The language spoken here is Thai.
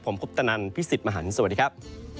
ผมคุปตนันพี่สิทธิ์มหันฯสวัสดีครับ